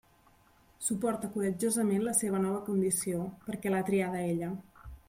Suporta coratjosament la seva nova condició, perquè l'ha triada ella.